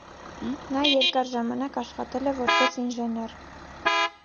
Նա երկար ժամանակ աշխատել է որպես ինժեներ։